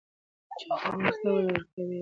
چای تمرکز ته وده ورکوي.